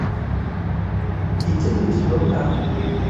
He didn't look up.